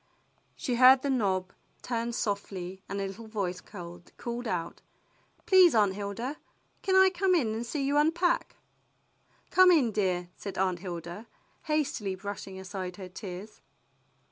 She heard the knob turn softly and a little voice called out, "Please, Aunt Hilda, can I come in and see you unpack? " "Come in, dear," said Aunt Hilda, hastily brush ing aside her tears.